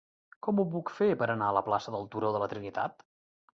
Com ho puc fer per anar a la plaça del Turó de la Trinitat?